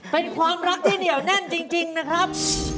เป็นความรักที่เหนียวแน่นจริงนะครับ